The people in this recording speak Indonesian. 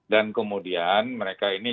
dan kemudian mereka ini